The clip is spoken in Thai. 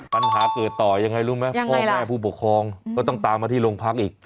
ปัญหาเกิดต่อยังไงรู้ไหมพ่อแม่ผู้ปกครองก็ต้องตามมาที่โรงพักอีก